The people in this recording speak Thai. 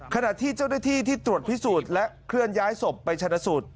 ขณะที่เจ้าหน้าที่ที่ตรวจพิสูจน์และเคลื่อนย้ายศพไปชนะสูตร